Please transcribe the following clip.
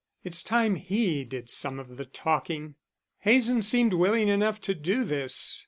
"It's time he did some of the talking." Hazen seemed willing enough to do this.